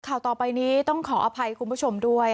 ข่าวต่อไปนี้ต้องขออภัยคุณผู้ชมด้วย